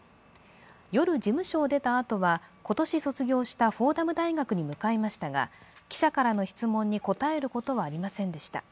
夜、事務所を出たあとは、今年卒業したフォーダム大学に向かいましたが、記者からの質問に答えることはありませんでした。